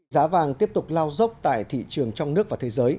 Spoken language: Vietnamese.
giá vàng tiếp tục lao dốc tại thị trường trong nước và thế giới